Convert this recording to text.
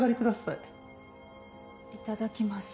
いただきます。